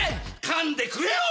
かんでくれよ！